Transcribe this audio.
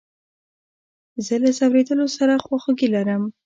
زه له ځورېدلو سره خواخوږي لرم.